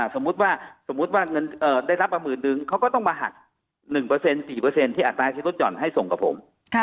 สมมุติว่าเงินได้รับประหมื่นหนึ่งเขาก็ต้องมาหัก๑เปอร์เซ็นต์๔เปอร์เซ็นต์ที่อาตรายที่รถจ่อนให้ส่งกับผม